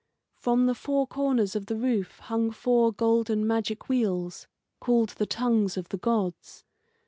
From the four corners of the roof hung four golden magic wheels, called the tongues of the gods.